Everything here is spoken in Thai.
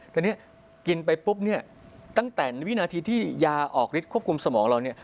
แต่นี่กินไปปุ๊บตั้งแต่วินาทีที่ยาออกฤทธิ์ควบคุมสมองเรา